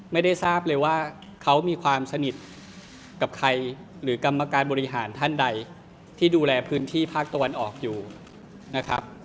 ไม่ได้ทราบเลยว่าเขามีความสนิทกับใครหรือกรรมการบริหารท่านใดที่ดูแลพื้นที่ภาคตะวันออกอยู่นะครับ